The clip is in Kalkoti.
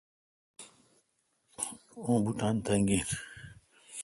اوں بوٹان تنگ این۔